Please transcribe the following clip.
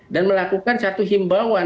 dan melakukan satu himbauan